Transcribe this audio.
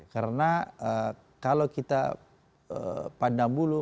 karena kalau kita pandang bulu